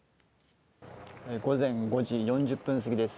午前５時４０分過ぎです。